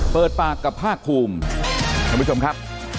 เปิดปากกับภาคภูมิท่านผู้ชมครับ